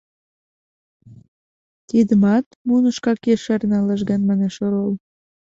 — Тидымат мунышкак ешарена, — лыжган манеш орол.